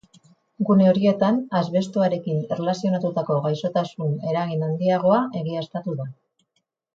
Gune horietan asbestoarekin erlazionatutako gaixotasun eragin handiagoa egiaztatu da.